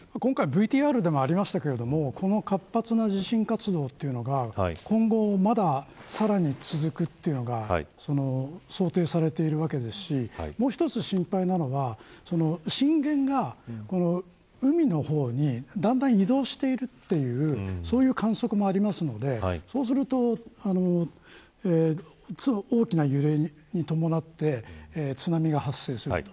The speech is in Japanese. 今回ＶＴＲでもありましたがこの活発な地震活動というのが今後もまださらに続くというのが想定されているわけですしもう１つ心配なのは震源が海の方にだんだん移動しているというそういう観測もあるのでそうすると、大きな揺れに伴って津波が発生すると。